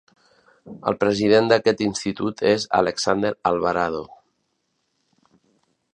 El president d'aquest institut és Alexander Alvarado.